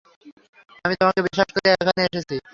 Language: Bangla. আমি তোমাকে বিশ্বাস করে এখানে এসেছি।